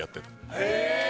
へぇ！